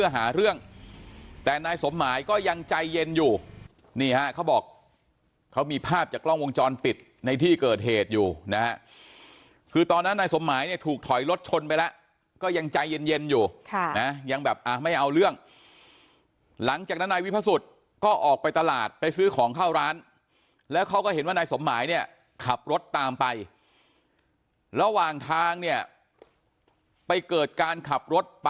หาเรื่องแต่นายสมหมายก็ยังใจเย็นอยู่นี่ฮะเขาบอกเขามีภาพจากกล้องวงจรปิดในที่เกิดเหตุอยู่นะฮะคือตอนนั้นนายสมหมายเนี่ยถูกถอยรถชนไปแล้วก็ยังใจเย็นเย็นอยู่ค่ะนะยังแบบอ่ะไม่เอาเรื่องหลังจากนั้นนายวิพสุทธิ์ก็ออกไปตลาดไปซื้อของเข้าร้านแล้วเขาก็เห็นว่านายสมหมายเนี่ยขับรถตามไประหว่างทางเนี่ยไปเกิดการขับรถป